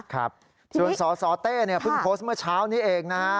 ครับส่วนสสเต้เนี่ยเพิ่งโพสต์เมื่อเช้านี้เองนะฮะ